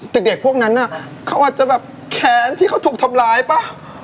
ตึกเด็กพวกนั้นน่ะเขาอาจจะแบบแขนที่เขาถูกทำลายปะ